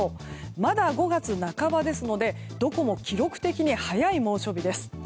まだ５月半ばですのでどこも記録的に早い猛暑日です。